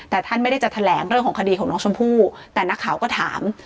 แต่ท่านไม่ได้จะแถลงเรื่องของคดีของน้องชมพู่แต่นักข่าวก็ถาม